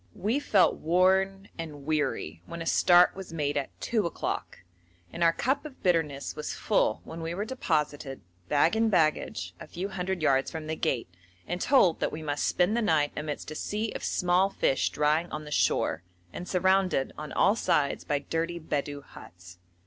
We felt worn and weary when a start was made at two o'clock, and our cup of bitterness was full when we were deposited, bag and baggage, a few hundred yards from the gate, and told that we must spend the night amidst a sea of small fish drying on the shore, and surrounded on all sides by dirty Bedou huts.